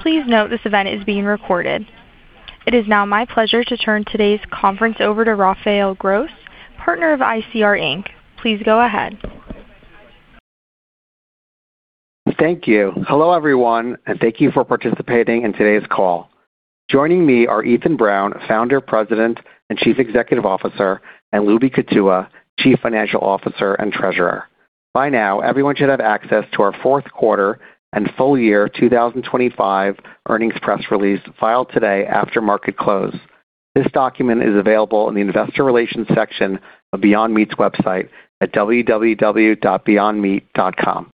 Please note this event is being recorded. It is now my pleasure to turn today's conference over to Raphael Gross, partner of ICR Inc. Please go ahead. Thank you. Hello, everyone, and thank you for participating in today's call. Joining me are Ethan Brown, Founder, President, and Chief Executive Officer, and Lubi Kutua, Chief Financial Officer and Treasurer. By now, everyone should have access to our fourth quarter and full year 2025 earnings press release filed today after market close. This document is available in the investor relations section of Beyond Meat's website at www.beyondmeat.com.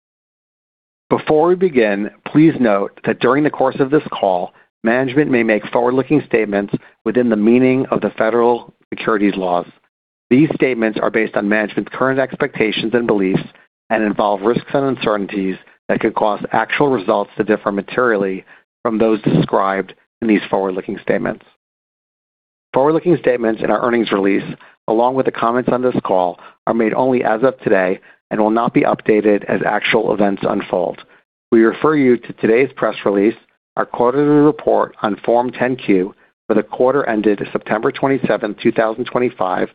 Before we begin, please note that during the course of this call, management may make forward-looking statements within the meaning of the federal securities laws. These statements are based on management's current expectations and beliefs and involve risks and uncertainties that could cause actual results to differ materially from those described in these forward-looking statements. Forward-looking statements in our earnings release, along with the comments on this call, are made only as of today and will not be updated as actual events unfold. We refer you to today's press release, our quarterly report on Form 10-Q for the quarter ended September 27, 2025,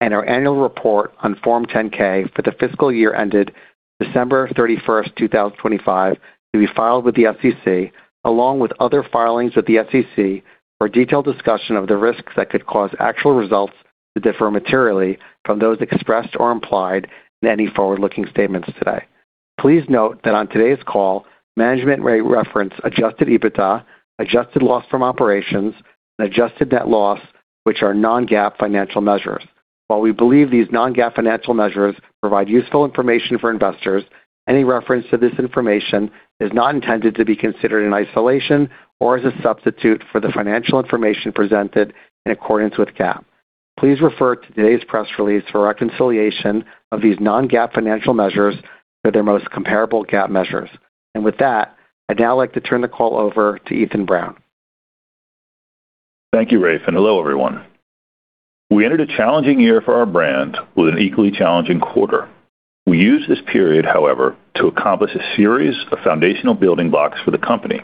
and our annual report on Form 10-K for the fiscal year ended December 31st, 2025, to be filed with the SEC, along with other filings with the SEC for a detailed discussion of the risks that could cause actual results to differ materially from those expressed or implied in any forward-looking statements today. Please note that on today's call, management may reference Adjusted EBITDA, adjusted loss from operations, and adjusted net loss, which are non-GAAP financial measures. While we believe these non-GAAP financial measures provide useful information for investors, any reference to this information is not intended to be considered in isolation or as a substitute for the financial information presented in accordance with GAAP. Please refer to today's press release for a reconciliation of these non-GAAP financial measures to their most comparable GAAP measures. With that, I'd now like to turn the call over to Ethan Brown. Thank you, Raph, and hello, everyone. We entered a challenging year for our brand with an equally challenging quarter. We used this period, however, to accomplish a series of foundational building blocks for the company.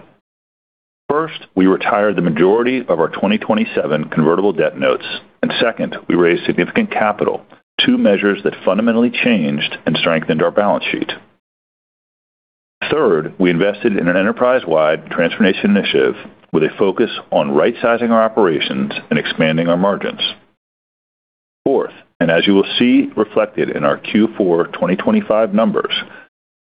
First, we retired the majority of our 2027 convertible debt notes, and second, we raised significant capital, two measures that fundamentally changed and strengthened our balance sheet. Third, we invested in an enterprise-wide transformation initiative with a focus on right-sizing our operations and expanding our margins. Fourth, and as you will see reflected in our Q4 2025 numbers,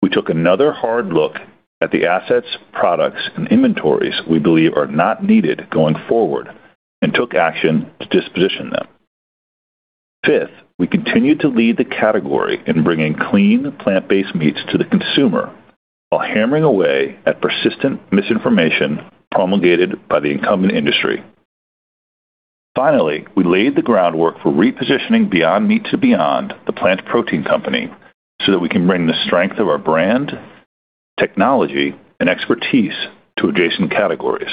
we took another hard look at the assets, products, and inventories we believe are not needed going forward and took action to disposition them. Fifth, we continued to lead the category in bringing clean, plant-based meats to the consumer while hammering away at persistent misinformation promulgated by the incumbent industry. Finally, we laid the groundwork for repositioning Beyond Meat to Beyond, the plant protein company, so that we can bring the strength of our brand, technology, and expertise to adjacent categories.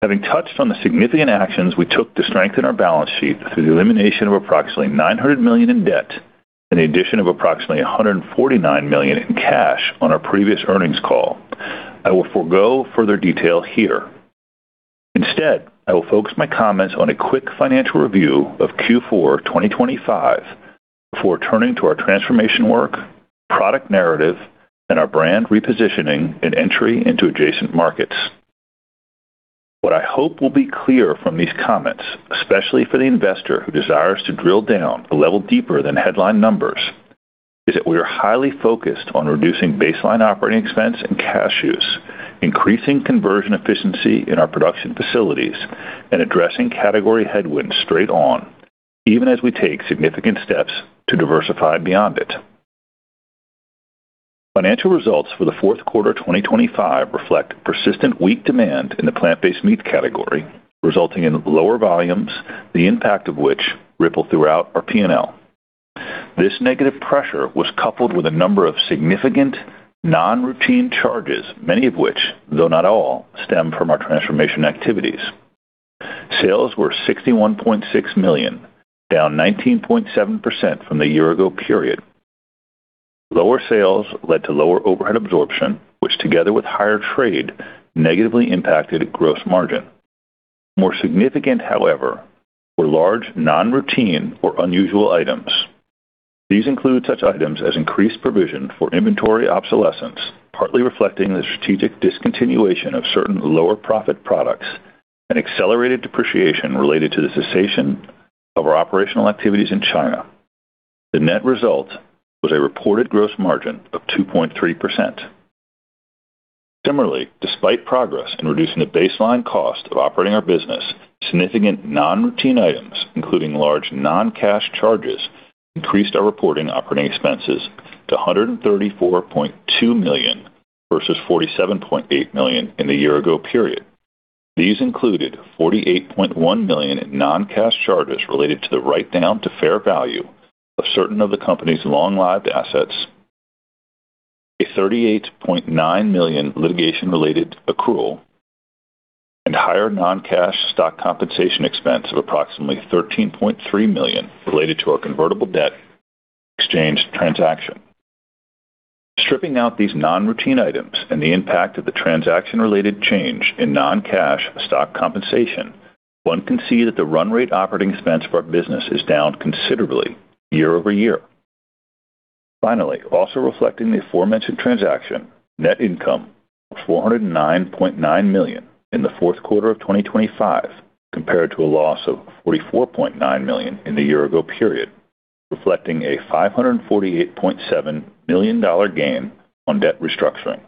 Having touched on the significant actions we took to strengthen our balance sheet through the elimination of approximately $900 million in debt and the addition of approximately $149 million in cash on our previous earnings call, I will forego further detail here. Instead, I will focus my comments on a quick financial review of Q4 2025 before turning to our transformation work, product narrative, and our brand repositioning and entry into adjacent markets. What I hope will be clear from these comments, especially for the investor who desires to drill down a level deeper than headline numbers, is that we are highly focused on reducing baseline operating expense and cash use, increasing conversion efficiency in our production facilities, and addressing category headwinds straight on, even as we take significant steps to diversify beyond it. Financial results for the fourth quarter 2025 reflect persistent weak demand in the plant-based meat category, resulting in lower volumes, the impact of which rippled throughout our P&L. This negative pressure was coupled with a number of significant non-routine charges, many of which, though not all, stem from our transformation activities. Sales were $61.6 million, down 19.7% from the year ago period. Lower sales led to lower overhead absorption, which together with higher trade, negatively impacted gross margin. More significant, however, were large non-routine or unusual items. These include such items as increased provision for inventory obsolescence, partly reflecting the strategic discontinuation of certain lower-profit products and accelerated depreciation related to the cessation of our operational activities in China. The net result was a reported gross margin of 2.3%. Similarly, despite progress in reducing the baseline cost of operating our business, significant non-routine items, including large non-cash charges, increased our reporting operating expenses to $134.2 million versus $47.8 million in the year ago period. These included $48.1 million in non-cash charges related to the write-down to fair value of certain of the company's long-lived assets, a $38.9 million litigation-related accrual, and higher non-cash stock compensation expense of approximately $13.3 million related to our convertible debt exchange transaction. Stripping out these non-routine items and the impact of the transaction-related change in non-cash stock compensation, one can see that the run rate operating expense of our business is down considerably year-over-year. Finally, also reflecting the aforementioned transaction, net income of $409.9 million in the fourth quarter of 2025 compared to a loss of $44.9 million in the year-ago period, reflecting a $548.7 million dollar gain on debt restructuring.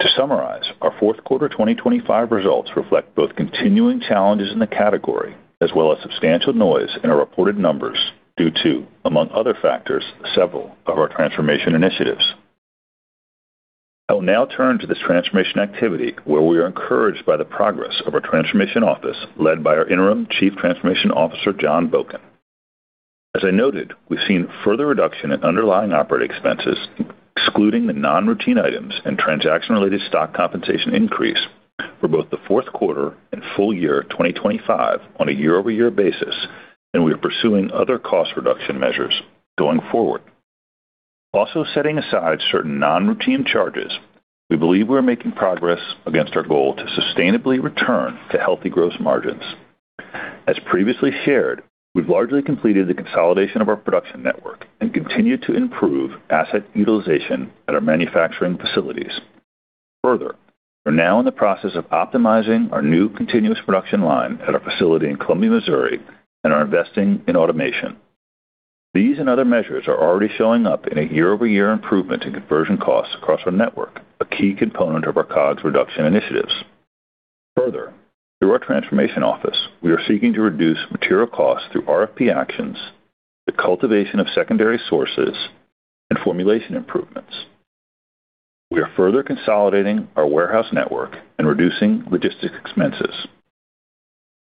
To summarize, our fourth quarter 2025 results reflect both continuing challenges in the category as well as substantial noise in our reported numbers due to, among other factors, several of our transformation initiatives. I will now turn to this transformation activity where we are encouraged by the progress of our transformation office led by our Interim Chief Transformation Officer, John Boken. As I noted, we've seen further reduction in underlying operating expenses, excluding the non-routine items and transaction-related stock compensation increase for both the fourth quarter and full year 2025 on a year-over-year basis, and we are pursuing other cost reduction measures going forward. Also setting aside certain non-routine charges, we believe we are making progress against our goal to sustainably return to healthy gross margins. As previously shared, we've largely completed the consolidation of our production network and continue to improve asset utilization at our manufacturing facilities. Further, we're now in the process of optimizing our new continuous production line at our facility in Columbia, Missouri, and are investing in automation. These and other measures are already showing up in a year-over-year improvement in conversion costs across our network, a key component of our COGS reduction initiatives. Further, through our Transformation Office, we are seeking to reduce material costs through RFP actions, the cultivation of secondary sources, and formulation improvements. We are further consolidating our warehouse network and reducing logistics expenses.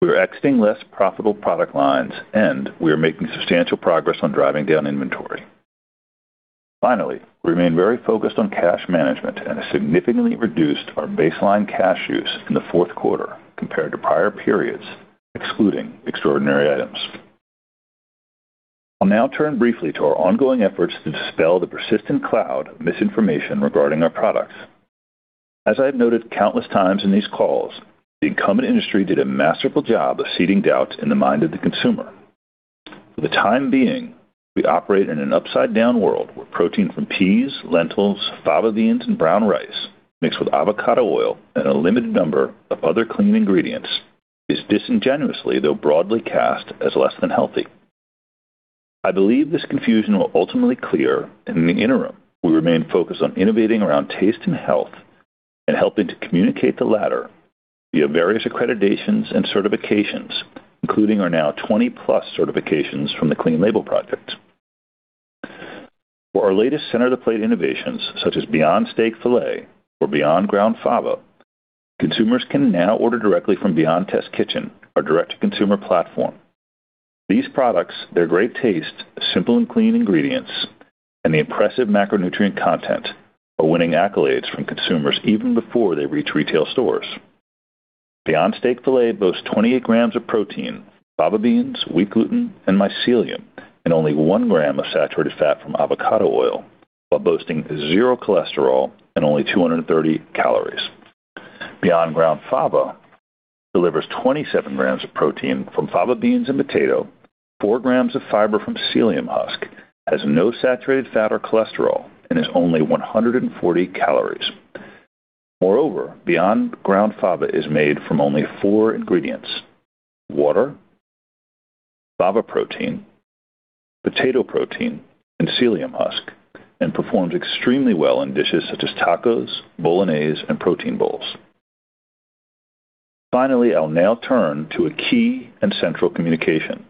We are exiting less profitable product lines, and we are making substantial progress on driving down inventory. Finally, we remain very focused on cash management and have significantly reduced our baseline cash use in the fourth quarter compared to prior periods, excluding extraordinary items. I'll now turn briefly to our ongoing efforts to dispel the persistent cloud of misinformation regarding our products. As I have noted countless times in these calls, the incumbent industry did a masterful job of seeding doubt in the mind of the consumer. For the time being, we operate in an upside-down world where protein from peas, lentils, fava beans, and brown rice mixed with avocado oil and a limited number of other clean ingredients is disingenuously, though broadly cast as less than healthy. I believe this confusion will ultimately clear, and in the interim, we remain focused on innovating around taste and health and helping to communicate the latter via various accreditations and certifications, including our now 20+ certifications from the Clean Label Project. For our latest center-of-the-plate innovations, such as Beyond Steak Filet or Beyond Ground Fava, consumers can now order directly from Beyond Test Kitchen, our direct-to-consumer platform. These products, their great taste, simple and clean ingredients, and the impressive macronutrient content are winning accolades from consumers even before they reach retail stores. Beyond Steak Filet boasts 28 grams of protein, fava beans, wheat gluten, and mycelium, and only 1 gram of saturated fat from avocado oil, while boasting zero cholesterol and only 230 calories. Beyond Ground Fava delivers 27 grams of protein from fava beans and potato, 4 grams of fiber from psyllium husk, has no saturated fat or cholesterol, and is only 140 calories. Moreover, Beyond Ground Fava is made from only four ingredients: water, fava protein, potato protein, and psyllium husk, and performs extremely well in dishes such as tacos, bolognese, and protein bowls. Finally, I'll now turn to a key and central communication.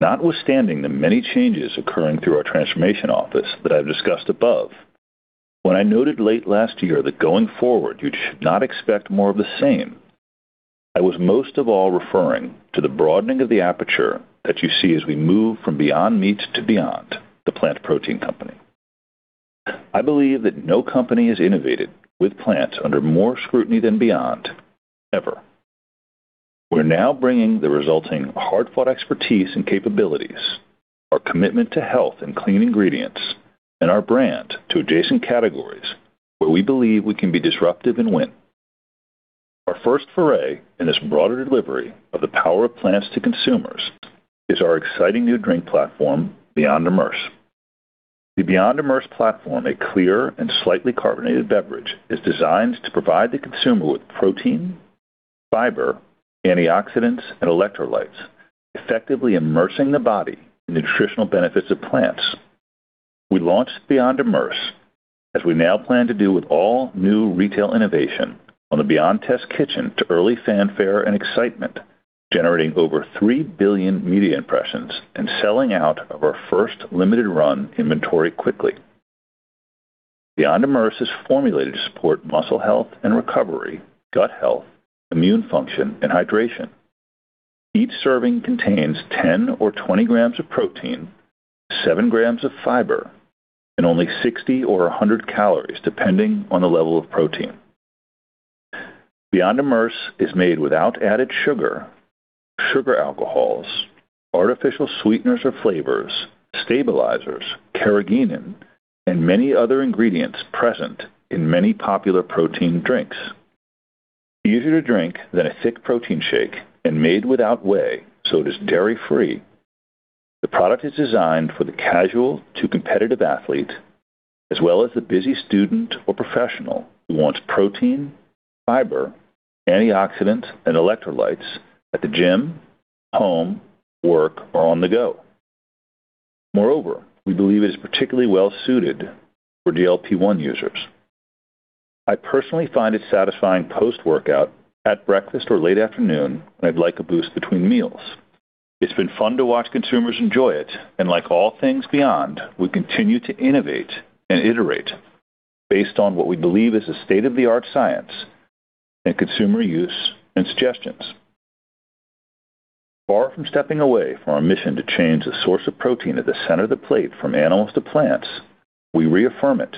Notwithstanding the many changes occurring through our transformation office that I've discussed above, when I noted late last year that going forward, you should not expect more of the same, I was most of all referring to the broadening of the aperture that you see as we move from Beyond Meat to Beyond, the plant protein company. I believe that no company has innovated with plants under more scrutiny than Beyond, ever. We're now bringing the resulting hard-fought expertise and capabilities, our commitment to health and clean ingredients, and our brand to adjacent categories where we believe we can be disruptive and win. Our first foray in this broader delivery of the power of plants to consumers is our exciting new drink platform, Beyond Immerse. The Beyond Immerse platform, a clear and slightly carbonated beverage, is designed to provide the consumer with protein, fiber, antioxidants, and electrolytes, effectively immersing the body in the nutritional benefits of plants. We launched Beyond Immerse, as we now plan to do with all new retail innovation, on the Beyond Test Kitchen to early fanfare and excitement, generating over 3 billion media impressions and selling out of our first limited run inventory quickly. Beyond Immerse is formulated to support muscle health and recovery, gut health, immune function, and hydration. Each serving contains 10 or 20 grams of protein, 7 grams of fiber, and only 60 or 100 calories, depending on the level of protein. Beyond Immerse is made without added sugar alcohols, artificial sweeteners or flavors, stabilizers, carrageenan, and many other ingredients present in many popular protein drinks. Easier to drink than a thick protein shake and made without whey, so it is dairy-free. The product is designed for the casual to competitive athlete as well as the busy student or professional who wants protein, fiber, antioxidants, and electrolytes at the gym, home, work, or on the go. Moreover, we believe it is particularly well-suited for GLP-1 users. I personally find it satisfying post-workout at breakfast or late afternoon when I'd like a boost between meals. It's been fun to watch consumers enjoy it, and like all things Beyond, we continue to innovate and iterate based on what we believe is a state-of-the-art science and consumer use and suggestions. Far from stepping away from our mission to change the source of protein at the center of the plate from animals to plants, we reaffirm it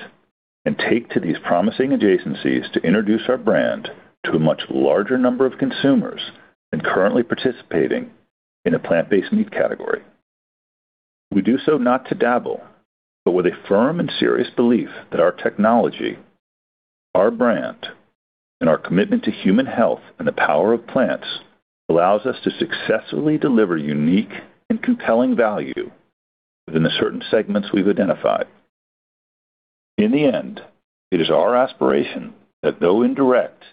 and take to these promising adjacencies to introduce our brand to a much larger number of consumers than currently participating in a plant-based meat category. We do so not to dabble, but with a firm and serious belief that our technology, our brand, and our commitment to human health and the power of plants allows us to successfully deliver unique and compelling value within the certain segments we've identified. In the end, it is our aspiration that, though indirect,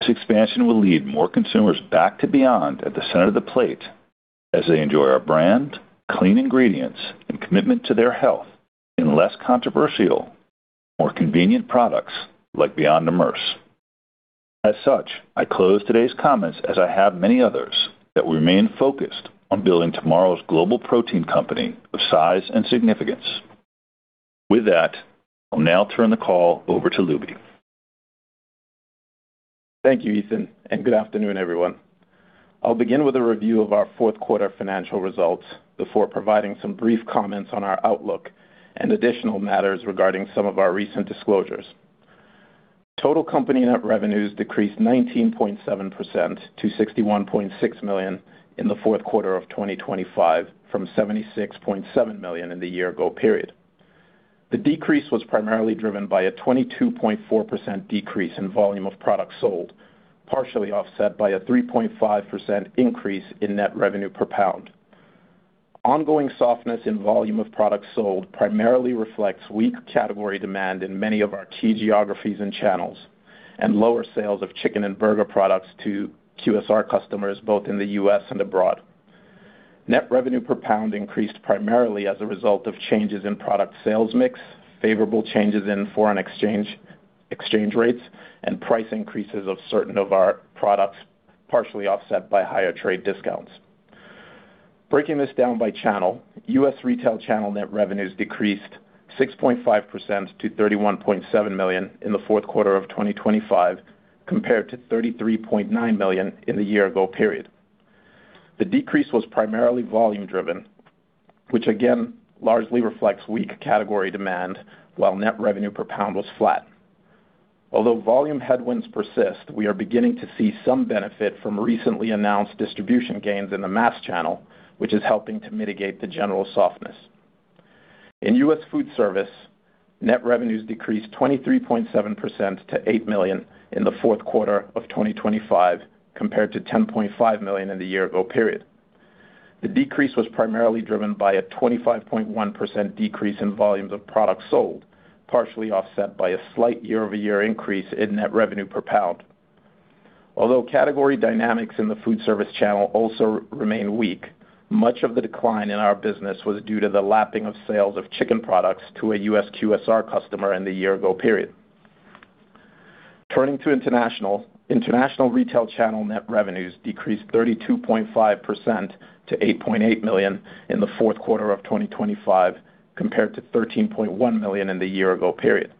this expansion will lead more consumers back to Beyond at the center of the plate as they enjoy our brand, clean ingredients, and commitment to their health in less controversial, more convenient products like Beyond Immerse. As such, I close today's comments as I have many others that remain focused on building tomorrow's global protein company of size and significance. With that, I'll now turn the call over to Lubi Kutua. Thank you, Ethan, and good afternoon, everyone. I'll begin with a review of our fourth quarter financial results before providing some brief comments on our outlook and additional matters regarding some of our recent disclosures. Total company net revenues decreased 19.7% to $61.6 million in the fourth quarter of 2025 from $76.7 million in the year ago period. The decrease was primarily driven by a 22.4% decrease in volume of products sold, partially offset by a 3.5% increase in net revenue per pound. Ongoing softness in volume of products sold primarily reflects weak category demand in many of our key geographies and channels and lower sales of chicken and burger products to QSR customers both in the U.S. and abroad. Net revenue per pound increased primarily as a result of changes in product sales mix, favorable changes in foreign exchange rates, and price increases of certain of our products, partially offset by higher trade discounts. Breaking this down by channel, U.S. retail channel net revenues decreased 6.5% to $31.7 million in the fourth quarter of 2025, compared to $33.9 million in the year ago period. The decrease was primarily volume driven, which again largely reflects weak category demand while net revenue per pound was flat. Although volume headwinds persist, we are beginning to see some benefit from recently announced distribution gains in the mass channel, which is helping to mitigate the general softness. In U.S. food service, net revenues decreased 23.7% to $8 million in the fourth quarter of 2025, compared to $10.5 million in the year ago period. The decrease was primarily driven by a 25.1% decrease in volumes of products sold, partially offset by a slight year-over-year increase in net revenue per pound. Although category dynamics in the food service channel also remain weak, much of the decline in our business was due to the lapping of sales of chicken products to a U.S. QSR customer in the year ago period. Turning to international. International retail channel net revenues decreased 32.5% to $8.8 million in the fourth quarter of 2025, compared to $13.1 million in the year ago period.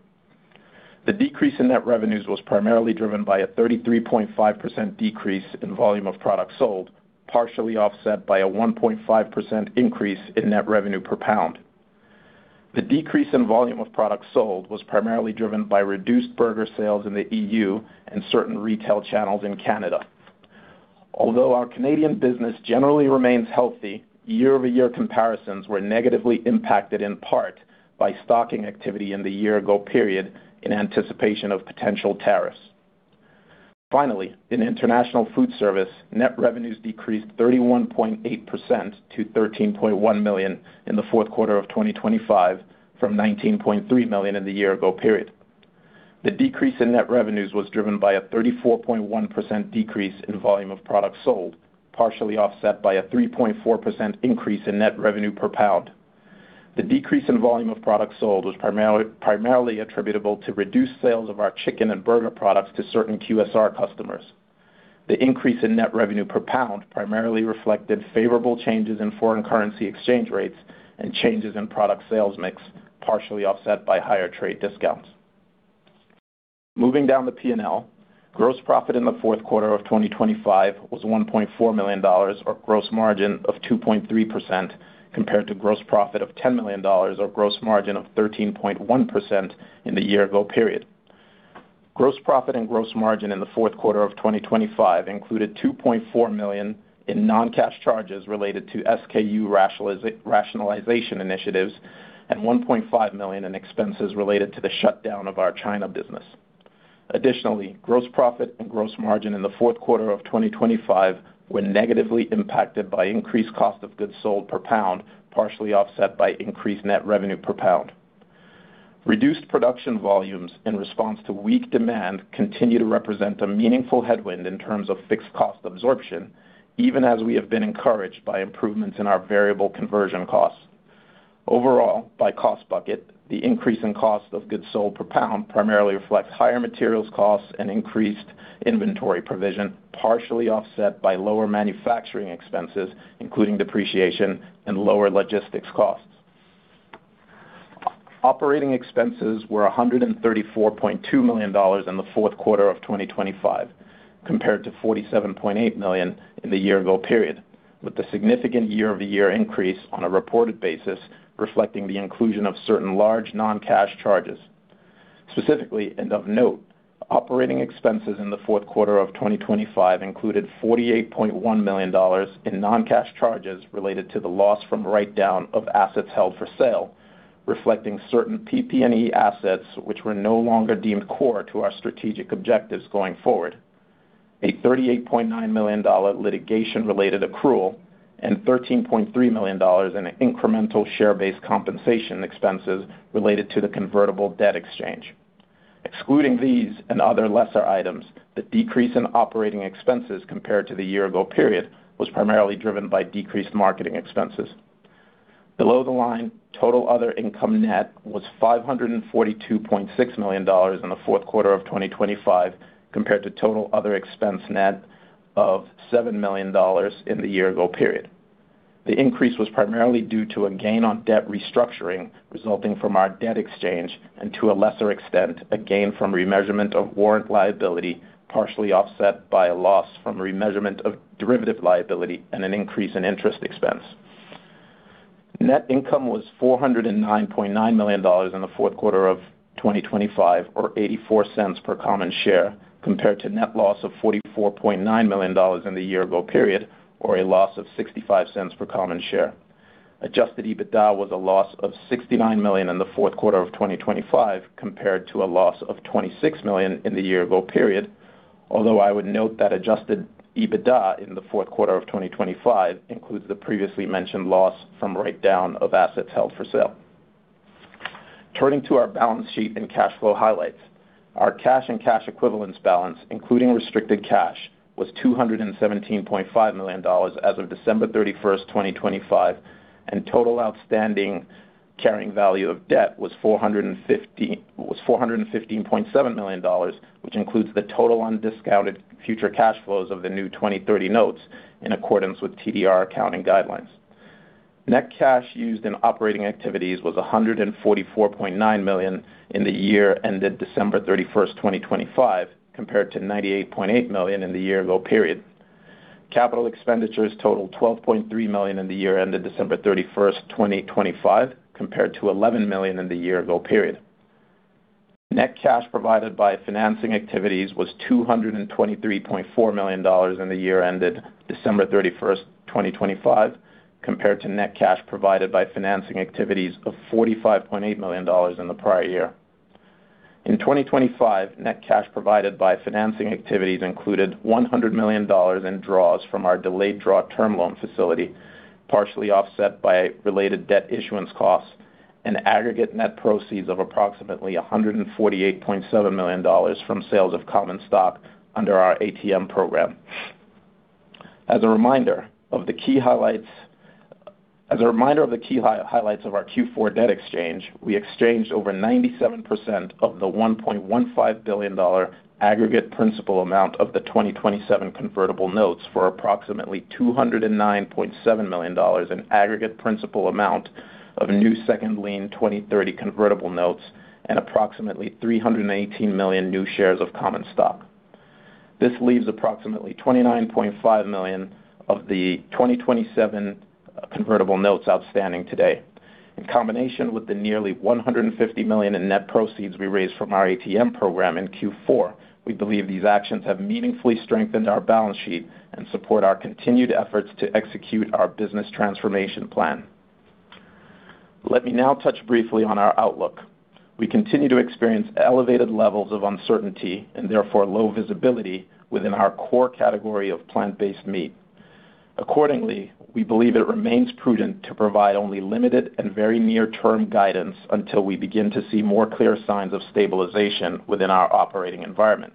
The decrease in net revenues was primarily driven by a 33.5% decrease in volume of products sold, partially offset by a 1.5% increase in net revenue per pound. The decrease in volume of products sold was primarily driven by reduced burger sales in the EU and certain retail channels in Canada. Although our Canadian business generally remains healthy, year-over-year comparisons were negatively impacted in part by stocking activity in the year ago period in anticipation of potential tariffs. Finally, in international food service, net revenues decreased 31.8% to $13.1 million in the fourth quarter of 2025 from $19.3 million in the year ago period. The decrease in net revenues was driven by a 34.1% decrease in volume of products sold, partially offset by a 3.4% increase in net revenue per pound. The decrease in volume of products sold was primarily attributable to reduced sales of our chicken and burger products to certain QSR customers. The increase in net revenue per pound primarily reflected favorable changes in foreign currency exchange rates and changes in product sales mix, partially offset by higher trade discounts. Moving down the P&L, gross profit in the fourth quarter of 2025 was $1.4 million or gross margin of 2.3% compared to gross profit of $10 million or gross margin of 13.1% in the year ago period. Gross profit and gross margin in the fourth quarter of 2025 included $2.4 million in non-cash charges related to SKU rationalization initiatives and $1.5 million in expenses related to the shutdown of our China business. Additionally, gross profit and gross margin in the fourth quarter of 2025 were negatively impacted by increased cost of goods sold per pound, partially offset by increased net revenue per pound. Reduced production volumes in response to weak demand continue to represent a meaningful headwind in terms of fixed cost absorption, even as we have been encouraged by improvements in our variable conversion costs. Overall, by cost bucket, the increase in cost of goods sold per pound primarily reflects higher materials costs and increased inventory provision, partially offset by lower manufacturing expenses, including depreciation and lower logistics costs. Operating expenses were $134.2 million in the fourth quarter of 2025 compared to $47.8 million in the year-ago period, with the significant year-over-year increase on a reported basis reflecting the inclusion of certain large non-cash charges. Specifically, and of note, operating expenses in the fourth quarter of 2025 included $48.1 million in non-cash charges related to the loss from write-down of assets held for sale, reflecting certain PP&E assets which were no longer deemed core to our strategic objectives going forward, a $38.9 million litigation-related accrual, and $13.3 million in incremental share-based compensation expenses related to the convertible debt exchange. Excluding these and other lesser items, the decrease in operating expenses compared to the year-ago period was primarily driven by decreased marketing expenses. Below the line, total other income net was $542.6 million in the fourth quarter of 2025 compared to total other expense net of $7 million in the year ago period. The increase was primarily due to a gain on debt restructuring resulting from our debt exchange and to a lesser extent, a gain from remeasurement of warrant liability, partially offset by a loss from remeasurement of derivative liability and an increase in interest expense. Net income was $409.9 million in the fourth quarter of 2025 or $0.84 per common share compared to net loss of $44.9 million in the year ago period or a loss of $0.65 per common share. Adjusted EBITDA was a loss of $69 million in the fourth quarter of 2025 compared to a loss of $26 million in the year-ago period. Although I would note that Adjusted EBITDA in the fourth quarter of 2025 includes the previously mentioned loss from write-down of assets held for sale. Turning to our balance sheet and cash flow highlights. Our cash and cash equivalents balance, including restricted cash, was $217.5 million as of December 31st, 2025, and total outstanding carrying value of debt was $415.7 million, which includes the total undiscounted future cash flows of the new 2030 notes in accordance with TDR accounting guidelines. Net cash used in operating activities was $144.9 million in the year ended December 31st, 2025 compared to $98.8 million in the year ago period. Capital expenditures totaled $12.3 million in the year ended December 31st, 2025 compared to $11 million in the year ago period. Net cash provided by financing activities was $223.4 million in the year ended December 31st, 2025 compared to net cash provided by financing activities of $45.8 million in the prior year. In 2025, net cash provided by financing activities included $100 million in draws from our delayed draw term loan facility, partially offset by related debt issuance costs and aggregate net proceeds of approximately $148.7 million from sales of common stock under our ATM program. As a reminder of the key highlights of our Q4 debt exchange, we exchanged over 97% of the $1.15 billion aggregate principal amount of the 2027 convertible notes for approximately $209.7 million in aggregate principal amount of new second lien 2030 convertible notes and approximately 318 million new shares of common stock. This leaves approximately $29.5 million of the 2027 convertible notes outstanding today. In combination with the nearly $150 million in net proceeds we raised from our ATM program in Q4, we believe these actions have meaningfully strengthened our balance sheet and support our continued efforts to execute our business transformation plan. Let me now touch briefly on our outlook. We continue to experience elevated levels of uncertainty and therefore low visibility within our core category of plant-based meat. Accordingly, we believe it remains prudent to provide only limited and very near term guidance until we begin to see more clear signs of stabilization within our operating environment.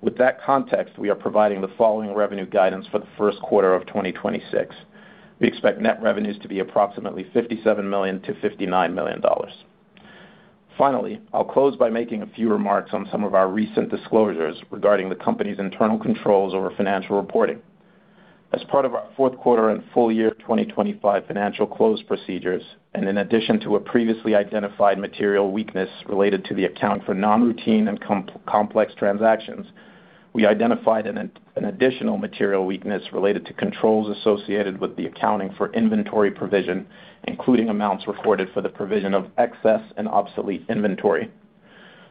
With that context, we are providing the following revenue guidance for the first quarter of 2026. We expect net revenues to be approximately $57 million-$59 million. Finally, I'll close by making a few remarks on some of our recent disclosures regarding the company's internal controls over financial reporting. As part of our fourth quarter and full year 2025 financial close procedures, and in addition to a previously identified material weakness related to the accounting for non-routine and complex transactions, we identified an additional material weakness related to controls associated with the accounting for inventory provision, including amounts recorded for the provision of excess and obsolete inventory.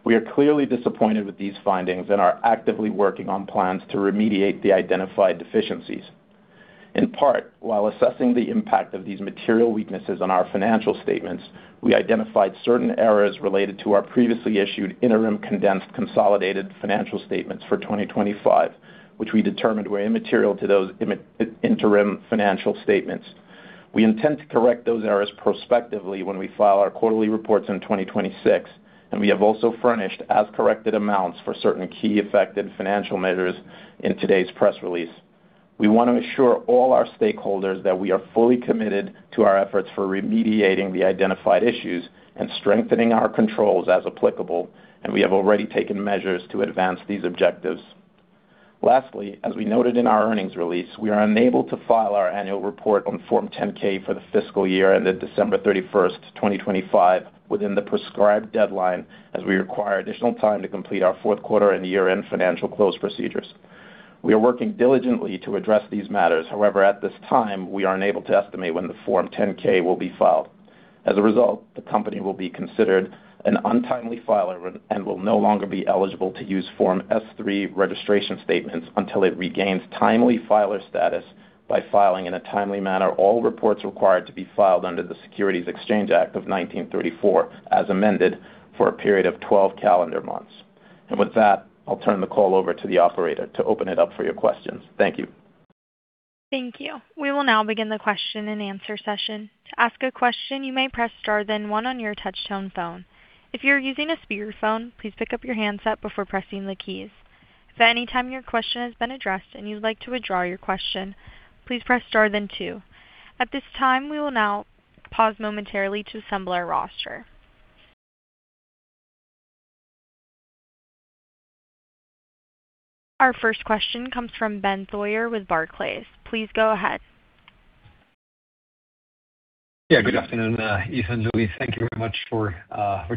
We are clearly disappointed with these findings and are actively working on plans to remediate the identified deficiencies. In part, while assessing the impact of these material weaknesses on our financial statements, we identified certain errors related to our previously issued interim condensed consolidated financial statements for 2025, which we determined were immaterial to those interim financial statements. We intend to correct those errors prospectively when we file our quarterly reports in 2026, and we have also furnished as corrected amounts for certain key affected financial measures in today's press release. We want to assure all our stakeholders that we are fully committed to our efforts for remediating the identified issues and strengthening our controls as applicable, and we have already taken measures to advance these objectives. Lastly, as we noted in our earnings release, we are unable to file our annual report on Form 10-K for the fiscal year ended December 31st, 2025, within the prescribed deadline, as we require additional time to complete our fourth quarter and year-end financial close procedures. We are working diligently to address these matters. However, at this time, we are unable to estimate when the Form 10-K will be filed. As a result, the company will be considered an untimely filer and will no longer be eligible to use Form S-3 registration statements until it regains timely filer status by filing in a timely manner all reports required to be filed under the Securities Exchange Act of 1934, as amended for a period of 12 calendar months. With that, I'll turn the call over to the operator to open it up for your questions. Thank you. Thank you. We will now begin the question and answer session. To ask a question, you may press star then one on your touchtone phone. If you're using a speakerphone, please pick up your handset before pressing the keys. If at any time your question has been addressed and you'd like to withdraw your question, please press star then two. At this time, we will now pause momentarily to assemble our roster. Our first question comes from Benjamin Theurer with Barclays. Please go ahead. Yeah, good afternoon, Ethan and Lubi. Thank you very much for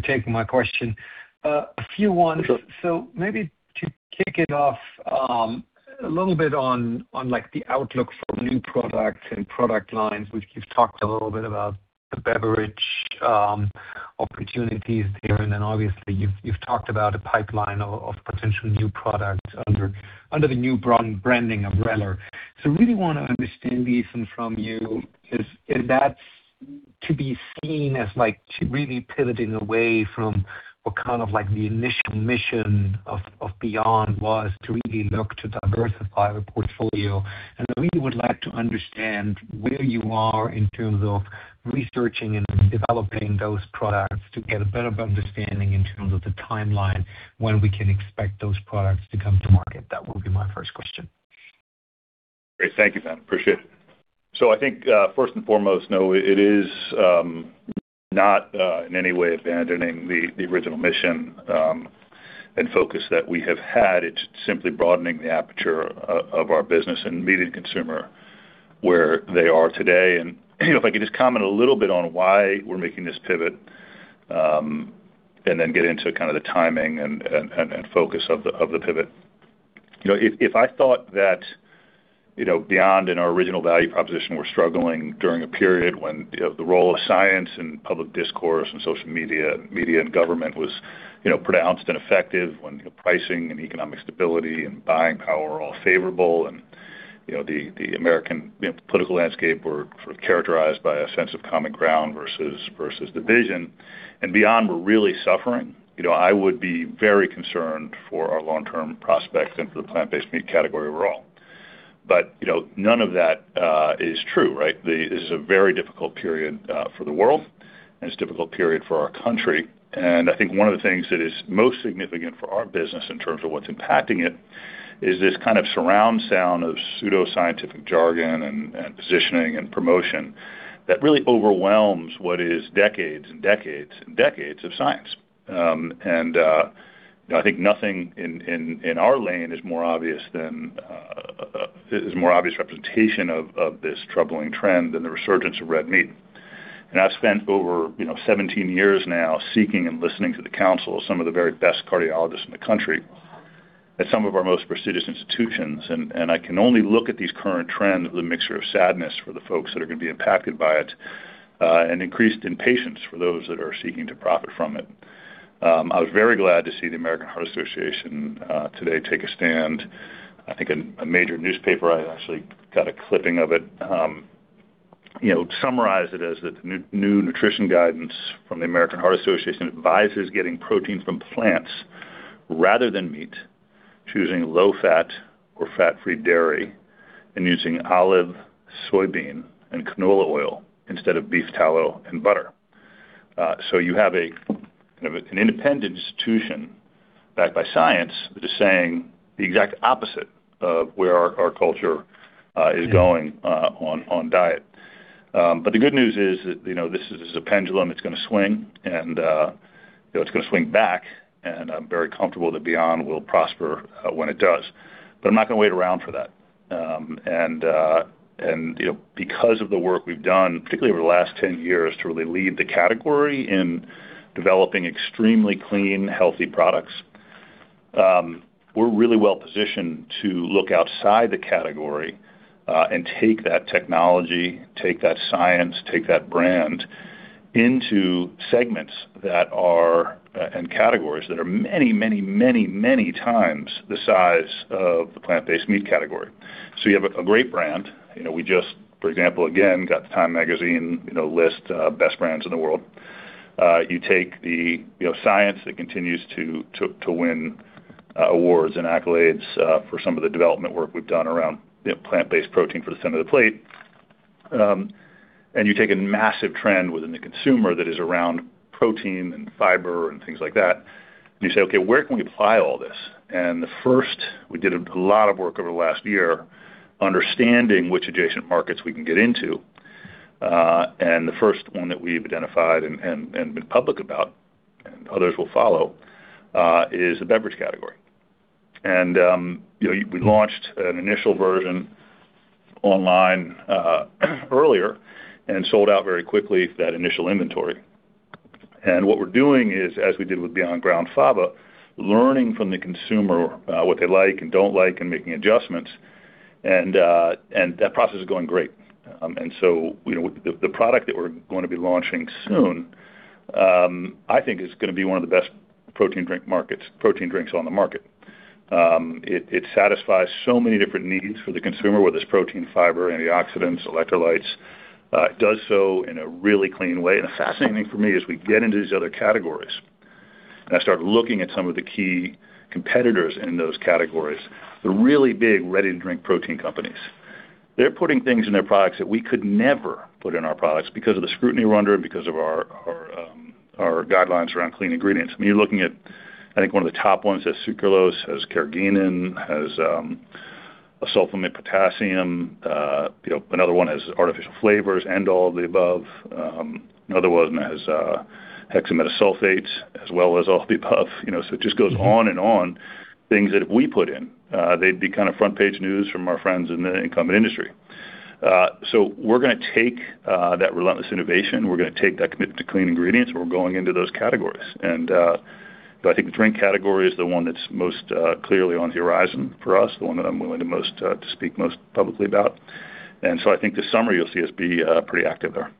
taking my question. A few questions. Maybe to kick it off, a little bit on, like, the outlook for new products and product lines, which you've talked a little bit about the beverage opportunities there, and then obviously you've talked about a pipeline of potential new products under the new brand, branding of Beyond. Really wanna understand, Ethan, from you is that to be seen as like to really pivoting away from what kind of like the initial mission of Beyond was to really look to diversify the portfolio. I really would like to understand where you are in terms of researching and developing those products to get a better understanding in terms of the timeline when we can expect those products to come to market. That will be my first question. Great. Thank you, Ben. Appreciate it. I think first and foremost, no, it is not in any way abandoning the original mission and focus that we have had. It's simply broadening the aperture of our business and meeting consumer where they are today. If I could just comment a little bit on why we're making this pivot and then get into kind of the timing and focus of the pivot. You know, if I thought that Beyond in our original value proposition were struggling during a period when you know, the role of science and public discourse and social media and government was you know, pronounced and effective when pricing and economic stability and buying power are all favorable and you know, the American you know, political landscape were sort of characterized by a sense of common ground versus division, and Beyond were really suffering, you know, I would be very concerned for our long-term prospects into the plant-based meat category overall. You know, none of that is true, right? This is a very difficult period for the world, and it's a difficult period for our country. I think one of the things that is most significant for our business in terms of what's impacting it is this kind of surround sound of pseudoscientific jargon and positioning and promotion that really overwhelms what is decades and decades and decades of science. You know, I think nothing in our lane is a more obvious representation of this troubling trend than the resurgence of red meat. I've spent over, you know, 17 years now seeking and listening to the counsel of some of the very best cardiologists in the country at some of our most prestigious institutions, and I can only look at these current trends with a mixture of sadness for the folks that are gonna be impacted by it, and increased impatience for those that are seeking to profit from it. I was very glad to see the American Heart Association today take a stand. I think a major newspaper, I actually got a clipping of it. You know, summarize it as the new nutrition guidance from the American Heart Association advises getting protein from plants rather than meat, choosing low fat or fat-free dairy, and using olive, soybean, and canola oil instead of beef tallow and butter. You have a kind of independent institution backed by science that is saying the exact opposite of where our culture is going on diet. The good news is that, you know, this is a pendulum that's gonna swing, and you know, it's gonna swing back, and I'm very comfortable that Beyond will prosper when it does. I'm not gonna wait around for that. You know, because of the work we've done, particularly over the last 10 years, to really lead the category in developing extremely clean, healthy products, we're really well positioned to look outside the category and take that technology, take that science, take that brand into segments and categories that are many, many, many, many times the size of the plant-based meat category. You have a great brand. You know, we just, for example, again, got the Time magazine list, you know, best brands in the world. You take the, you know, science that continues to win awards and accolades for some of the development work we've done around, you know, plant-based protein for the center of the plate. You take a massive trend within the consumer that is around protein and fiber and things like that, and you say, "Okay, where can we apply all this?" We did a lot of work over the last year understanding which adjacent markets we can get into. The first one that we've identified and been public about, and others will follow, is the beverage category. You know, we launched an initial version online earlier and sold out very quickly that initial inventory. What we're doing is, as we did with Beyond Ground Fava, learning from the consumer what they like and don't like and making adjustments. That process is going great. You know, the product that we're gonna be launching soon I think is gonna be one of the best protein drinks on the market. It satisfies so many different needs for the consumer, whether it's protein, fiber, antioxidants, electrolytes. It does so in a really clean way. The fascinating thing for me is we get into these other categories, and I start looking at some of the key competitors in those categories, the really big ready-to-drink protein companies. They're putting things in their products that we could never put in our products because of the scrutiny we're under and because of our guidelines around clean ingredients. I mean, you're looking at, I think, one of the top ones has sucralose, has carrageenan, has acesulfame potassium. You know, another one has artificial flavors and all of the above. Another one has hexametaphosphate as well as all the above. You know, so it just goes on and on things that if we put in, they'd be kind of front page news from our friends in the incumbent industry. We're gonna take that relentless innovation, we're gonna take that commitment to clean ingredients, and we're going into those categories. I think the drink category is the one that's most clearly on the horizon for us, the one that I'm willing to most to speak most publicly about. I think this summer you'll see us be pretty active there.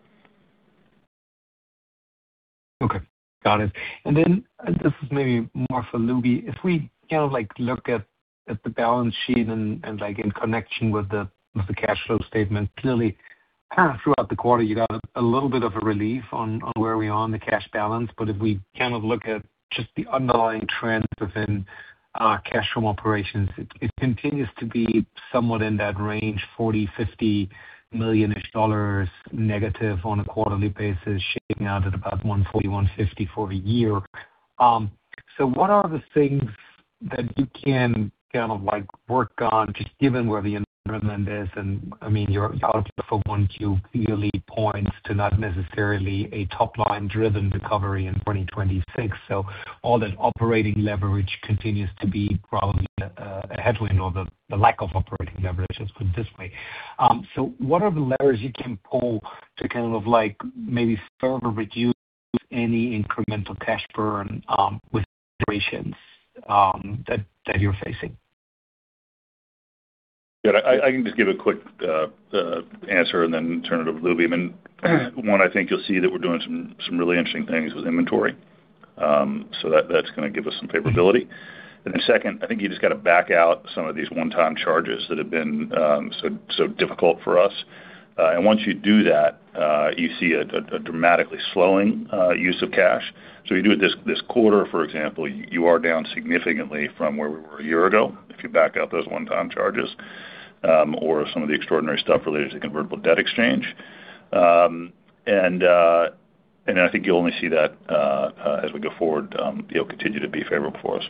Okay. Got it. This is maybe more for Lubi. If we kind of like look at the balance sheet and like in connection with the cash flow statement, clearly kind of throughout the quarter, you got a little bit of a relief on where we are on the cash balance. If we kind of look at just the underlying trends within cash from operations, it continues to be somewhat in that range, $40 million-$50 million negative on a quarterly basis-ish, shaping out at about $140 million-$150 million for the year. What are the things that you can kind of like work on, just given where the environment is? I mean, your outlook for 1Q early points to not necessarily a top line driven recovery in 2026. All that operating leverage continues to be probably a headwind or the lack of operating leverage, let's put it this way. What are the levers you can pull to kind of like maybe further reduce any incremental cash burn with operations that you're facing? Yeah. I can just give a quick answer and then turn it over to Lubi Kutua. I mean, one, I think you'll see that we're doing some really interesting things with inventory. That’s gonna give us some favorability. Then second, I think you just gotta back out some of these one-time charges that have been so difficult for us. Once you do that, you see a dramatically slowing use of cash. You do it this quarter, for example, you are down significantly from where we were a year ago if you back out those one-time charges, or some of the extraordinary stuff related to convertible debt exchange. I think you'll only see that as we go forward, you know, continue to be favorable for us.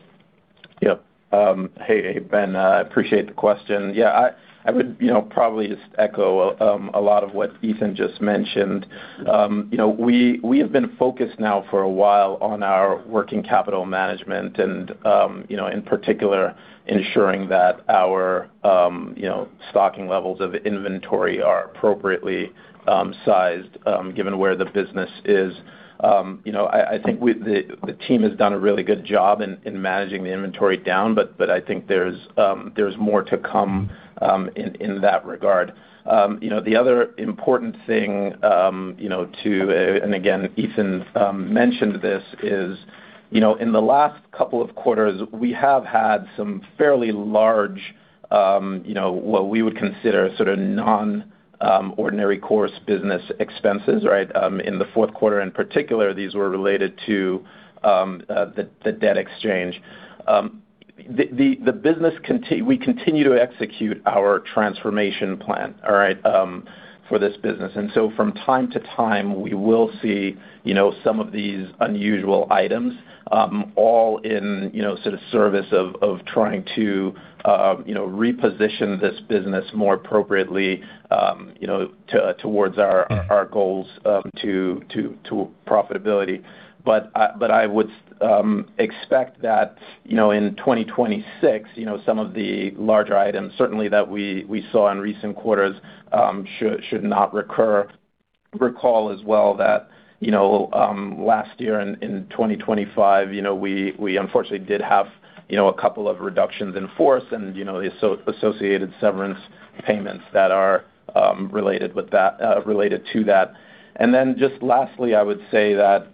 Yep. Hey, Ben, I appreciate the question. Yeah, I would, you know, probably just echo a lot of what Ethan just mentioned. You know, we have been focused now for a while on our working capital management and, you know, in particular ensuring that our stocking levels of inventory are appropriately sized, given where the business is. You know, I think the team has done a really good job in managing the inventory down, but I think there's more to come in that regard. You know, the other important thing, and again, Ethan mentioned this is, you know, in the last couple of quarters, we have had some fairly large, you know, what we would consider sort of non-ordinary course business expenses, right? In the fourth quarter, in particular, these were related to the debt exchange. We continue to execute our transformation plan, all right, for this business. From time to time, we will see, you know, some of these unusual items, all in, you know, sort of service of trying to, you know, reposition this business more appropriately, you know, towards our goals to profitability. I would expect that, you know, in 2026, you know, some of the larger items certainly that we saw in recent quarters should not recur. Recall as well that, you know, last year in 2025, you know, we unfortunately did have, you know, a couple of reductions in force and, you know, the associated severance payments that are related to that. Just lastly, I would say that,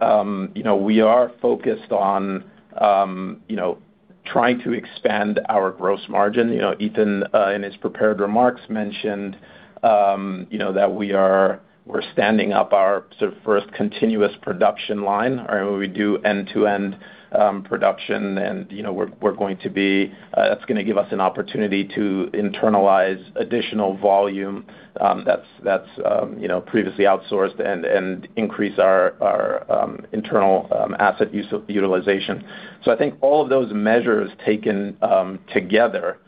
you know, we are focused on, you know, trying to expand our gross margin. You know, Ethan, in his prepared remarks mentioned, you know, that we're standing up our sort of first continuous production line where we do end-to-end production and, you know, we're going to be, that's gonna give us an opportunity to internalize additional volume, that's, you know, previously outsourced and increase our internal asset utilization. I think all of those measures taken together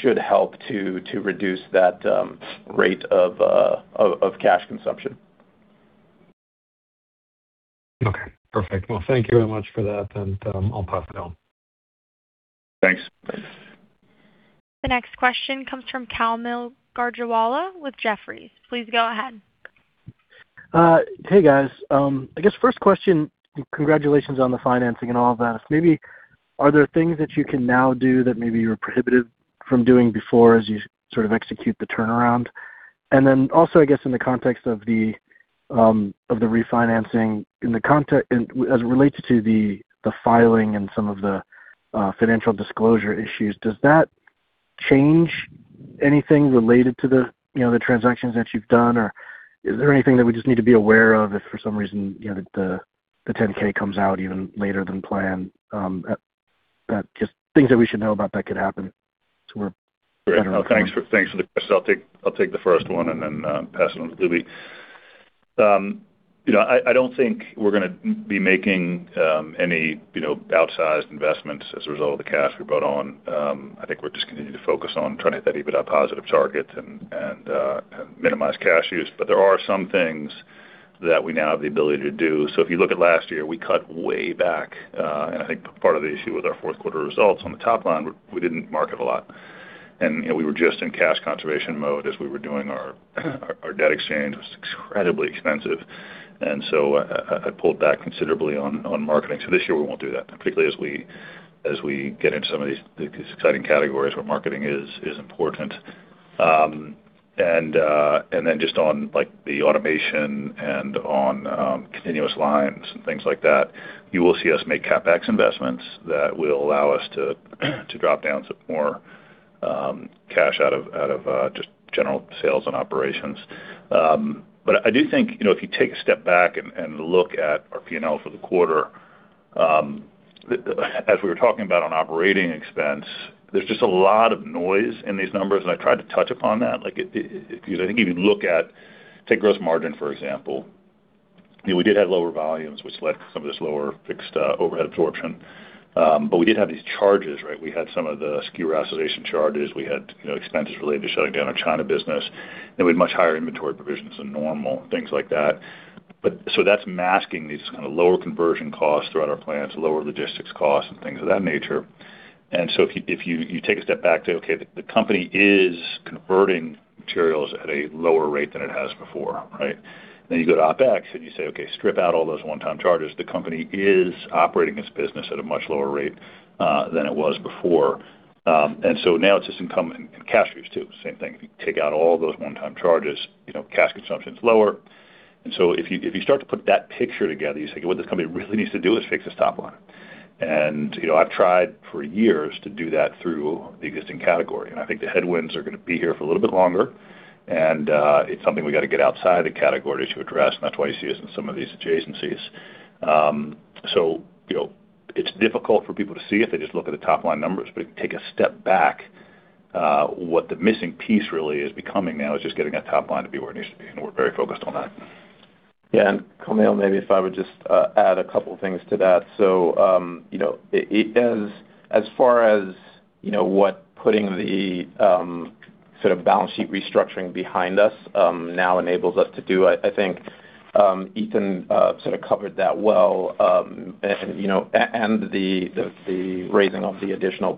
should help to reduce that rate of cash consumption. Okay. Perfect. Well, thank you very much for that. I'll pass it on. Thanks. Thanks. The next question comes from Kaumil Gajrawala with Jefferies. Please go ahead. Hey, guys. I guess first question, congratulations on the financing and all of that. Maybe are there things that you can now do that maybe you were prohibited from doing before as you sort of execute the turnaround? I guess, in the context of the refinancing, and as it relates to the filing and some of the financial disclosure issues, does that change anything related to the transactions that you've done? Or is there anything that we just need to be aware of if for some reason, you know, the 10-K comes out even later than planned, that just things that we should know about that could happen, so we're better off knowing. Great. Thanks for the questions. I'll take the first one and then pass it on to Lubi. You know, I don't think we're gonna be making any outsized investments as a result of the cash we brought on. I think we're just continuing to focus on trying to hit that EBITDA positive target and minimize cash use. There are some things that we now have the ability to do. If you look at last year, we cut way back and I think part of the issue with our fourth quarter results on the top line, we didn't market a lot. You know, we were just in cash conservation mode as we were doing our debt exchange. It was incredibly expensive. I pulled back considerably on marketing. This year, we won't do that, particularly as we get into some of these exciting categories where marketing is important. Just on like the automation and on continuous lines and things like that, you will see us make CapEx investments that will allow us to drop down some more cash out of just general sales and operations. I do think, you know, if you take a step back and look at our P&L for the quarter, as we were talking about on operating expense, there's just a lot of noise in these numbers, and I tried to touch upon that. I think if you look at, take gross margin, for example, you know, we did have lower volumes, which led to some of this lower fixed overhead absorption. But we did have these charges, right? We had some of the SKU rationalization charges. We had, you know, expenses related to shutting down our China business. We had much higher inventory provisions than normal, things like that. That's masking these kind of lower conversion costs throughout our plants, lower logistics costs, and things of that nature. If you take a step back, say, okay, the company is converting materials at a lower rate than it has before, right? You go to OpEx, and you say, okay, strip out all those one-time charges. The company is operating its business at a much lower rate than it was before. Now, it's just income and cash use too, same thing. If you take out all those one-time charges, you know, cash consumption's lower. If you start to put that picture together, you say, what this company really needs to do is fix this top line. You know, I've tried for years to do that through the existing category. I think the headwinds are gonna be here for a little bit longer. It's something we gotta get outside the category to address, and that's why you see us in some of these adjacencies. You know, it's difficult for people to see if they just look at the top-line numbers. If you take a step back, what the missing piece really is becoming now is just getting that top line to be where it needs to be, and we're very focused on that. Yeah. Kaumil, maybe if I would just add a couple things to that. You know, as far as, you know, what putting the sort of balance sheet restructuring behind us now enables us to do, I think Ethan sort of covered that well. And, you know, and the raising of the additional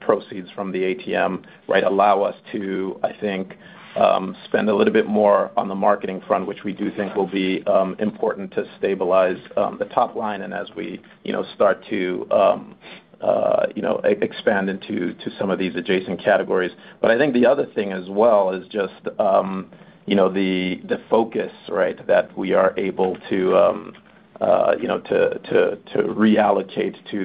proceeds from the ATM, right, allow us to, I think, spend a little bit more on the marketing front, which we do think will be important to stabilize the top line and as we, you know, start to expand into some of these adjacent categories. I think the other thing as well is just, you know, the focus, right, that we are able to, you know, to reallocate to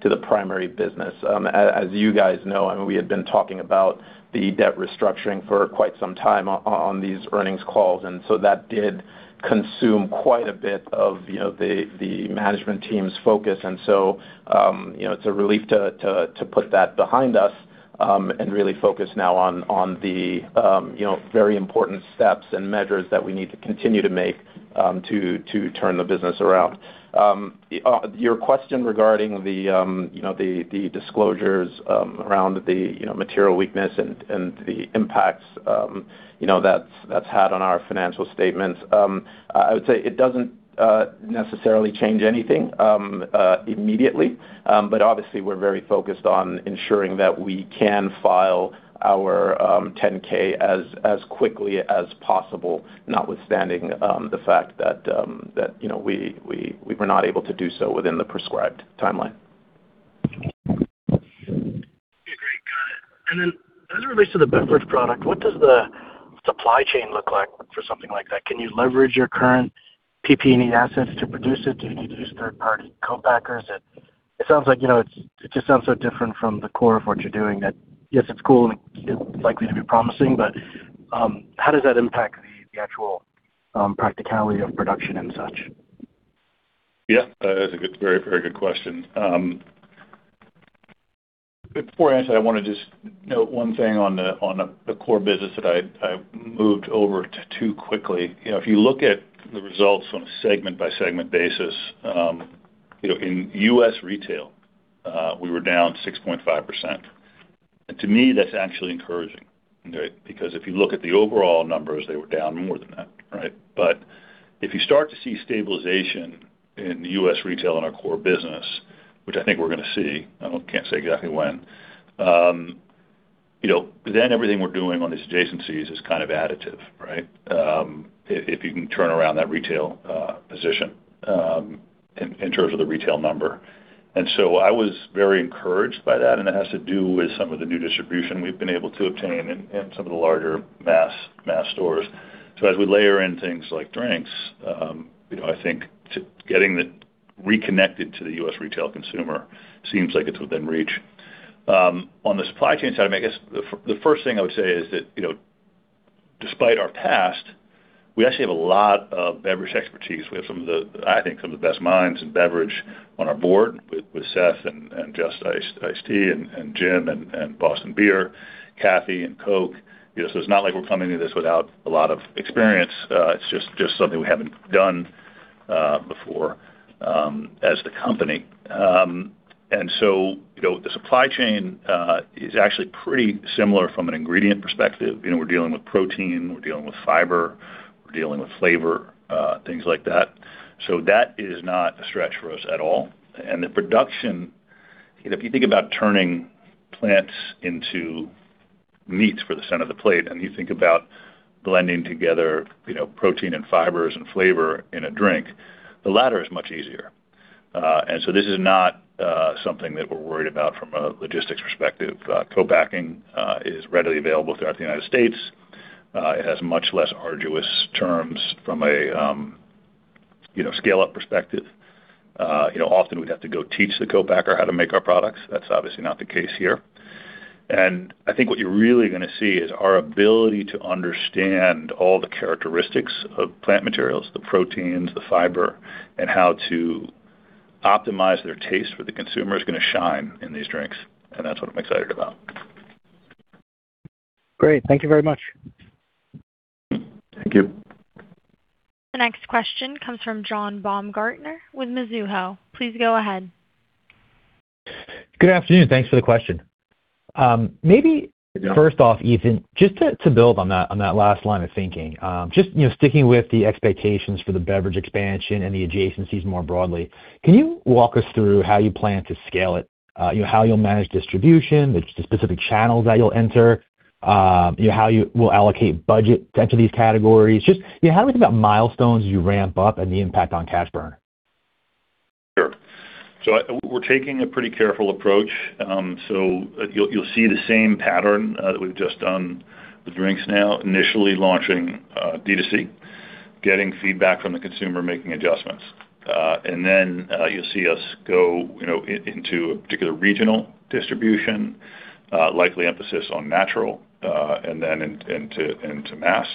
the primary business. As you guys know, I mean, we had been talking about the debt restructuring for quite some time on these earnings calls, and so that did consume quite a bit of, you know, the management team's focus. You know, it's a relief to put that behind us. Really focus now on the you know very important steps and measures that we need to continue to make to turn the business around. Your question regarding the you know the disclosures around the you know material weakness and the impacts you know that's had on our financial statements. I would say it doesn't necessarily change anything immediately. Obviously we're very focused on ensuring that we can file our 10-K as quickly as possible notwithstanding the fact that you know we were not able to do so within the prescribed timeline. Okay, great. Got it. As it relates to the beverage product, what does the supply chain look like for something like that? Can you leverage your current PP&E assets to produce it? Do you need to use third-party co-packers? It sounds like, you know, it just sounds so different from the core of what you're doing that, yes, it's cool, and it's likely to be promising, but how does that impact the actual practicality of production and such? Yeah, that's a very, very good question. Before I answer that, I wanna just note one thing on the core business that I moved over to too quickly. You know, if you look at the results on a segment-by-segment basis, you know, in U.S. retail, we were down 6.5%. To me, that's actually encouraging, right? Because if you look at the overall numbers, they were down more than that, right? If you start to see stabilization in U.S. retail in our core business, which I think we're gonna see, I can't say exactly when, you know, then everything we're doing on these adjacencies is kind of additive, right? If you can turn around that retail position in terms of the retail number. I was very encouraged by that, and it has to do with some of the new distribution we've been able to obtain in some of the larger mass stores. As we layer in things like drinks, you know, I think of getting reconnected to the U.S. retail consumer seems like it's within reach. On the supply chain side, I mean, I guess the first thing I would say is that, you know, despite our past, we actually have a lot of beverage expertise. We have some of the, I think, some of the best minds in beverage on our board, with Seth and Just Ice Tea and Jim and Boston Beer, Kathy and Coke. You know, it's not like we're coming to this without a lot of experience. It's just something we haven't done before as the company. You know, the supply chain is actually pretty similar from an ingredient perspective. You know, we're dealing with protein, we're dealing with fiber, we're dealing with flavor, things like that. That is not a stretch for us at all. The production, if you think about turning plants into meats for the center of the plate, and you think about blending together, you know, protein and fibers and flavor in a drink, the latter is much easier. This is not something that we're worried about from a logistics perspective. Co-packing is readily available throughout the United States. It has much less arduous terms from a, you know, scale-up perspective. You know, often we'd have to go teach the co-packer how to make our products. That's obviously not the case here. I think what you're really gonna see is our ability to understand all the characteristics of plant materials, the proteins, the fiber, and how to optimize their taste for the consumer is gonna shine in these drinks, and that's what I'm excited about. Great. Thank you very much. Thank you. The next question comes from John Baumgartner with Mizuho. Please go ahead. Good afternoon. Thanks for the question. Maybe first off, Ethan, just to build on that last line of thinking, just, you know, sticking with the expectations for the beverage expansion and the adjacencies more broadly, can you walk us through how you plan to scale it? You know, how you'll manage distribution, the specific channels that you'll enter, you know, how you will allocate budget to enter these categories? Just, you know, how we think about milestones you ramp up and the impact on cash burn. Sure. We're taking a pretty careful approach. You'll see the same pattern that we've just done with drinks now, initially launching D2C, getting feedback from the consumer, making adjustments. You'll see us go, you know, into a particular regional distribution, likely emphasis on natural, and then into mass.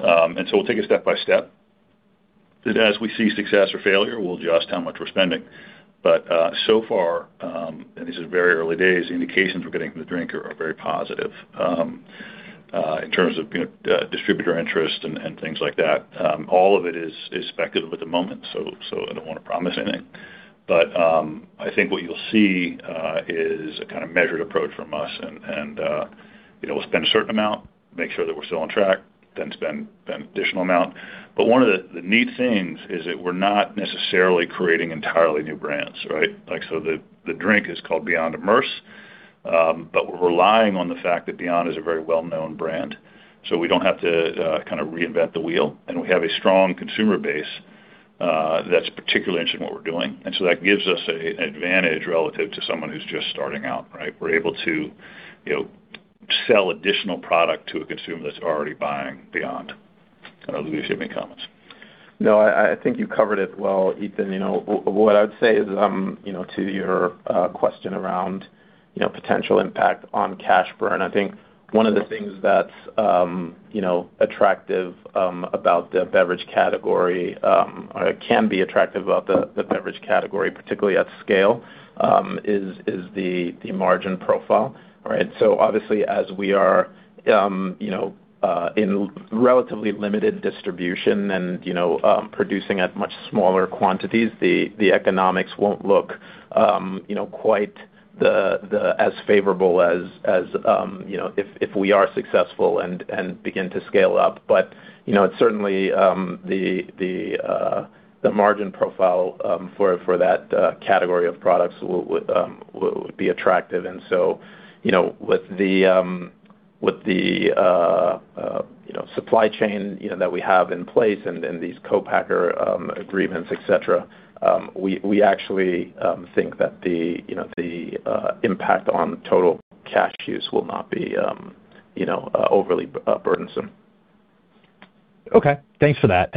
We'll take it step by step. As we see success or failure, we'll adjust how much we're spending. So far, and this is very early days, the indications we're getting from the drinkers are very positive in terms of, you know, distributor interest and things like that. All of it is speculative at the moment, so I don't wanna promise anything. I think what you'll see is a kind of measured approach from us and you know, we'll spend a certain amount, make sure that we're still on track, then spend an additional amount. One of the neat things is that we're not necessarily creating entirely new brands, right? Like, so the drink is called Beyond Immerse, but we're relying on the fact that Beyond is a very well-known brand, so we don't have to kind of reinvent the wheel, and we have a strong consumer base that's particularly interested in what we're doing. That gives us an advantage relative to someone who's just starting out, right? We're able to you know, sell additional product to a consumer that's already buying Beyond. I'll leave it to Lubi to comment. No, I think you covered it well, Ethan. You know, what I would say is, you know, to your question around, you know, potential impact on cash burn, I think one of the things that's, you know, attractive about the beverage category, or can be attractive about the beverage category, particularly at scale, is the margin profile, right? So obviously, as we are, you know, in relatively limited distribution and, you know, producing at much smaller quantities, the economics won't look, you know, quite as favorable as, you know, if we are successful and begin to scale up. But, you know, it's certainly the margin profile for that category of products will be attractive. You know, with the supply chain you know that we have in place and these co-packer agreements, et cetera, we actually think that you know the impact on total cash use will not be you know overly burdensome. Okay. Thanks for that.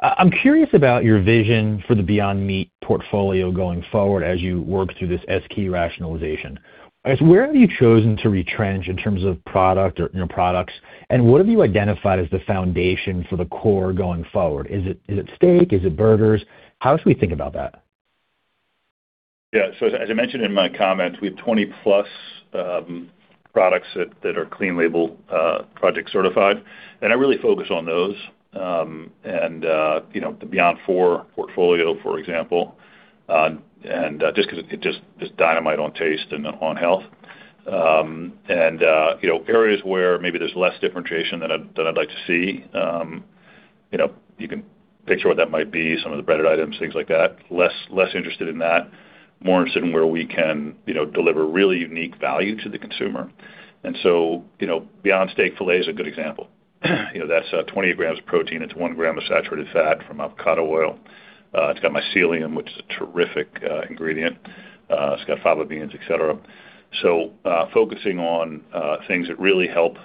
I'm curious about your vision for the Beyond Meat portfolio going forward as you work through this SKU rationalization. I guess, where have you chosen to retrench in terms of product or, you know, products, and what have you identified as the foundation for the core going forward? Is it steak? Is it burgers? How should we think about that? Yeah. As I mentioned in my comments, we have 20+ products that are Clean Label Project certified, and I really focus on those. You know, the Beyond IV portfolio, for example, and just dynamite on taste and on health. You know, areas where maybe there's less differentiation than I'd like to see, you know, you can picture what that might be, some of the breaded items, things like that, less interested in that, more interested in where we can, you know, deliver really unique value to the consumer. You know, Beyond Steak Filet is a good example. That's 28 grams of protein. It's 1 gram of saturated fat from avocado oil. It's got mycelium, which is a terrific ingredient. It's got fava beans, et cetera. Focusing on things that really help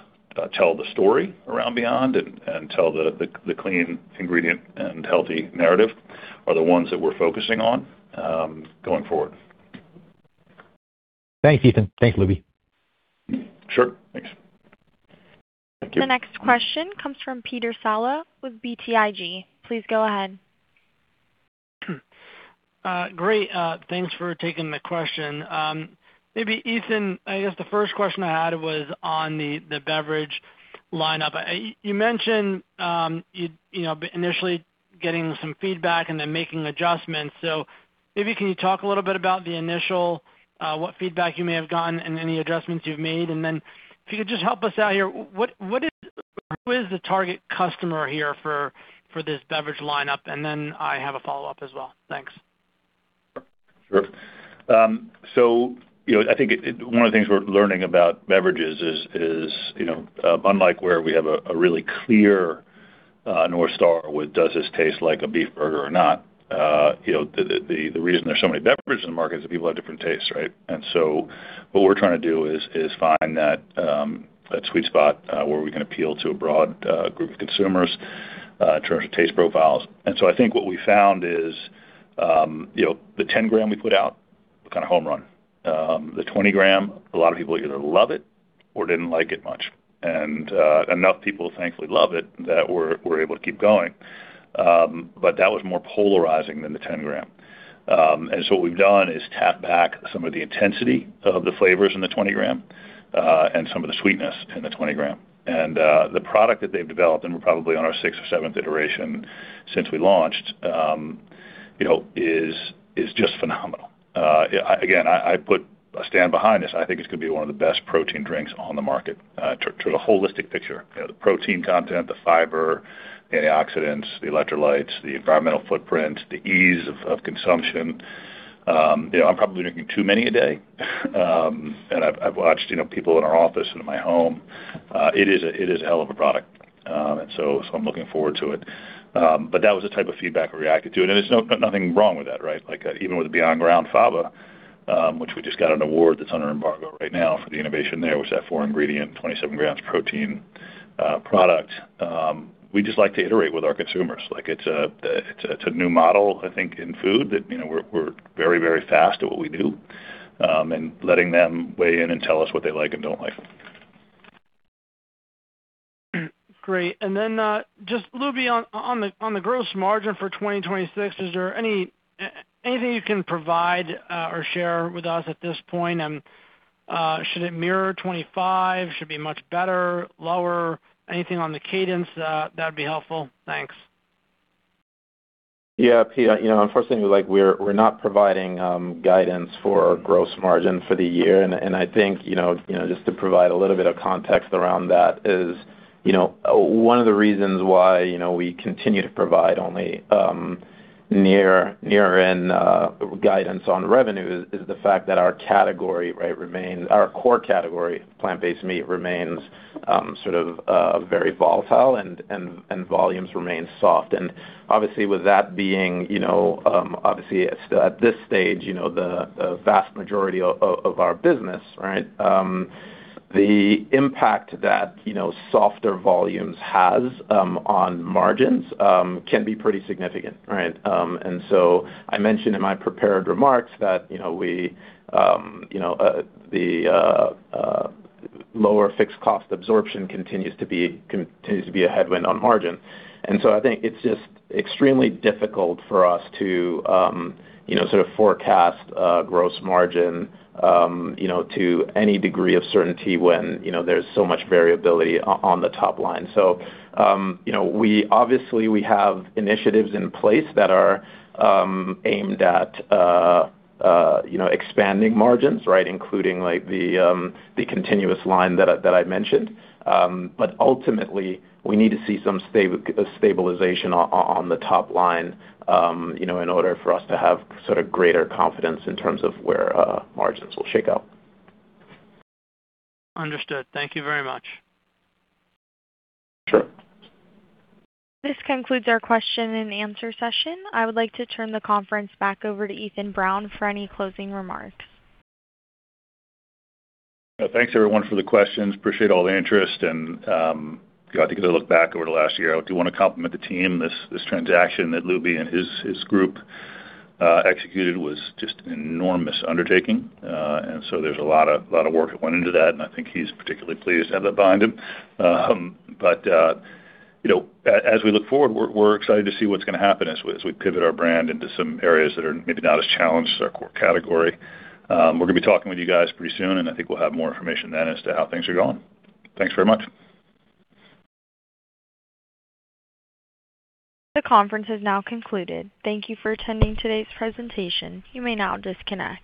tell the story around Beyond and tell the clean ingredient and healthy narrative are the ones that we're focusing on, going forward. Thanks, Ethan. Thanks, Lubi. Sure. Thanks. Thank you. The next question comes from Peter Saleh with BTIG. Please go ahead. Great. Thanks for taking the question. Maybe Ethan, I guess the first question I had was on the beverage lineup. You mentioned, you know, initially getting some feedback and then making adjustments. Maybe can you talk a little bit about the initial, what feedback you may have gotten and any adjustments you've made? If you could just help us out here, who is the target customer here for this beverage lineup? I have a follow-up as well. Thanks. Sure. You know, I think one of the things we're learning about beverages is unlike where we have a really clear North Star with does this taste like a beef burger or not you know the reason there's so many beverages in the market is that people have different tastes, right? What we're trying to do is find that sweet spot where we can appeal to a broad group of consumers in terms of taste profiles. I think what we found is you know the 10-gram we put out kind of home run. The 20-gram a lot of people either love it or didn't like it much. Enough people thankfully love it that we're able to keep going. That was more polarizing than the 10-gram. What we've done is dial back some of the intensity of the flavors in the 20-gram, and some of the sweetness in the 20-gram. The product that they've developed, and we're probably on our sixth or seventh iteration since we launched, you know, is just phenomenal. Again, I stand behind this. I think it's gonna be one of the best protein drinks on the market, to the holistic picture. You know, the protein content, the fiber, the antioxidants, the electrolytes, the environmental footprint, the ease of consumption. You know, I'm probably drinking too many a day. I've watched, you know, people in our office and in my home. It is a hell of a product. I'm looking forward to it. That was the type of feedback we reacted to. There's nothing wrong with that, right? Like even with the Beyond Ground Fava, which we just got an award that's under embargo right now for the innovation there, which is that four-ingredient, 27 grams protein product. We just like to iterate with our consumers. Like it's a new model, I think, in food that, you know, we're very fast at what we do, and letting them weigh in and tell us what they like and don't like. Great. Then just Lubi Kutua on the gross margin for 2026, is there anything you can provide or share with us at this point? Should it mirror 2025? Should it be much better, lower? Anything on the cadence that'd be helpful. Thanks. Yeah, Peter, you know, unfortunately, like we're not providing guidance for gross margin for the year. I think, you know, just to provide a little bit of context around that is, you know, one of the reasons why, you know, we continue to provide only near-term guidance on revenue is the fact that our core category, plant-based meat, remains sort of very volatile and volumes remain soft. Obviously, with that being obviously at this stage, you know, the vast majority of our business, right, the impact that softer volumes has on margins can be pretty significant, right? I mentioned in my prepared remarks that, you know, we, the lower fixed cost absorption continues to be a headwind on margin. I think it's just extremely difficult for us to, you know, sort of forecast gross margin, you know, to any degree of certainty when, you know, there's so much variability on the top line. You know, we obviously have initiatives in place that are aimed at, you know, expanding margins, right? Including like the continuous line that I mentioned. Ultimately we need to see some stabilization on the top line, you know, in order for us to have sort of greater confidence in terms of where margins will shake out. Understood. Thank you very much. Sure. This concludes our question and answer session. I would like to turn the conference back over to Ethan Brown for any closing remarks. Thanks everyone for the questions. Appreciate all the interest, and we've got to take a look back over the last year. I do wanna compliment the team. This transaction that Lubi and his group executed was just an enormous undertaking. There's a lot of work that went into that, and I think he's particularly pleased to have that behind him. You know, as we look forward, we're excited to see what's gonna happen as we pivot our brand into some areas that are maybe not as challenged as our core category. We're gonna be talking with you guys pretty soon, and I think we'll have more information then as to how things are going. Thanks very much. The conference has now concluded. Thank you for attending today's presentation. You may now disconnect.